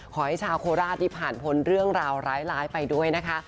ขอให้ชาวโคราชนี่ผ่านพ้นเรื่องราวร้ายไปด้วยนะคะ